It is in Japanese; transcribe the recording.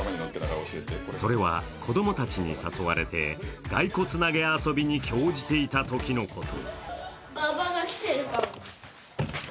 それは子供たちに誘われてガイコツ投げ遊びに興じていたときのこと。